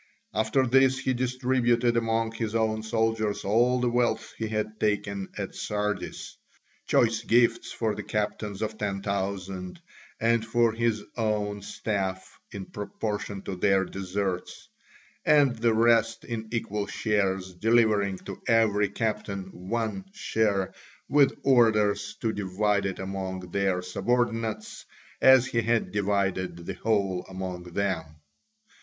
After this he distributed among his own soldiers all the wealth he had taken at Sardis, choice gifts for the captains of ten thousand and for his own staff in proportion to their deserts, and the rest in equal shares, delivering to every captain one share with orders to divide it among their subordinates as he had divided the whole among them.